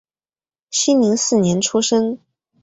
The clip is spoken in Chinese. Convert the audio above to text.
熙宁四年出生。